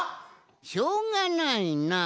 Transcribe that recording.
しょうがないなあ。